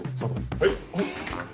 はい。